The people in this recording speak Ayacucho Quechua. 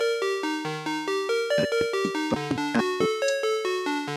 Achka yachayspanta ruwaspa.